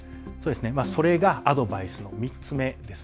それがアドバイスの３つ目です。